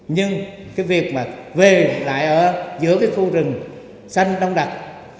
nhưng cái việc mà về lại ở giữa cái khu rừng xanh đông đặc